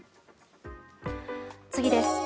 次です。